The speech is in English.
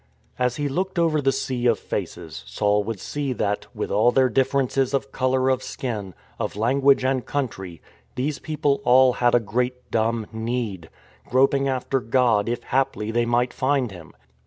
As he looked over the sea of faces, Saul would see that, with all their differences of colour of skin, of language and country, these people all had a great dumb need — groping after God if haply they might find Him.